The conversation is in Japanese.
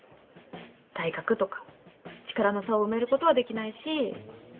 体格とか力の差を埋めることはできないし。